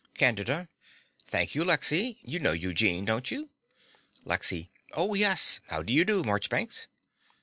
CANDIDA. Thank you, Lexy. You know Eugene, don't you? LEXY. Oh, yes. How do you do, Marchbanks?